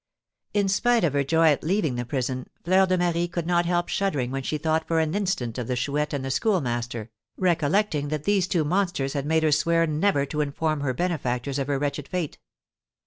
In spite of her joy at leaving the prison, Fleur de Marie could not help shuddering when she thought for an instant of the Chouette and the Schoolmaster, recollecting that these two monsters had made her swear never to inform her benefactors of her wretched fate.